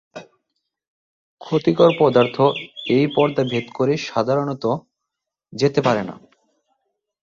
ক্ষতিকর পদার্থ এই পর্দা ভেদ করে সাধারণত যেতে পারে না।